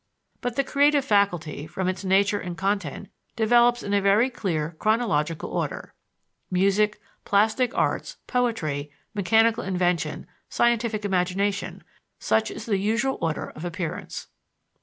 But the creative faculty, from its nature and content, develops in a very clear, chronological order. Music, plastic arts, poetry, mechanical invention, scientific imagination such is the usual order of appearance.